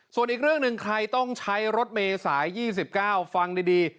ส่วนอีกเรื่องหนึ่งใครต้องใช้รถเมษาย๒๙ฟังดี